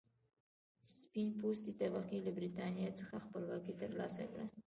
سپین پوستې طبقې له برېټانیا څخه خپلواکي تر لاسه کړه.